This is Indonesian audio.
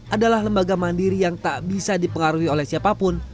adalah lembaga mandiri yang tak bisa dipengaruhi oleh siapapun